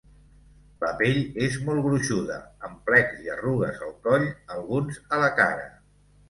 La pell és molt gruixuda, amb plecs i arrugues al coll, alguns a la cara.